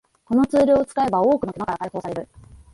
このツールを使えば多くの手間から解放される